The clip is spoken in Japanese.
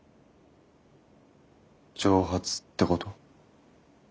蒸発ってこと？